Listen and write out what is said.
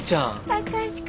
貴司君。